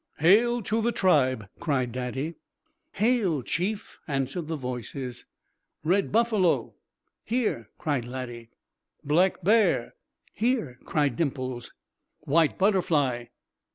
"Hail to the tribe!" cried Daddy. "Hail, Chief!" answered the voices. "Red Buffalo!" "Here!" cried Laddie. "Black Bear!" "Here!" cried Dimples. "White Butterfly!"